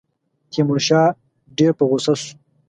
تیمورشاه ډېر په غوسه شو.